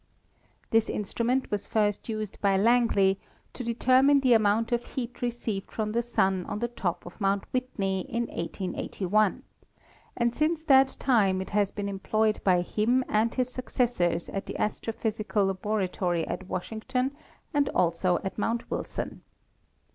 This in strument was first used by Langley to determine the amount of heat received from the Sun on the top of Mount Whitney in 1881, and since that time it has been employed by him and his successors at the Astrophysical Laboratory at Washington and also at Mount Wilson.